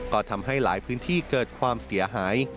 ก็ทำให้หลายพื้นที่เกิดความเสียหาย